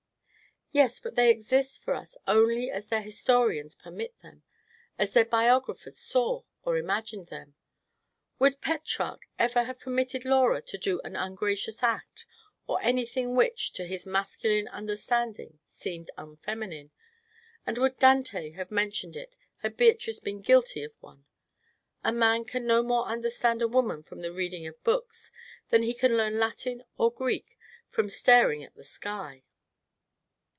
"Yes; but they exist for us only as their historians permit them, as their biographers saw, or imagined them. Would Petrarch ever have permitted Laura to do an ungracious act, or anything which, to his masculine understanding, seemed unfeminine; and would Dante have mentioned it had Beatrice been guilty of one? A man can no more understand a woman from the reading of books than he can learn Latin or Greek from staring at the sky."